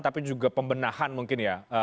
tapi juga pembenahan mungkin ya